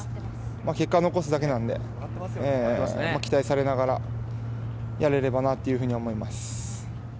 結果を残すだけなんで、期待されながらやれればなというふうには思います。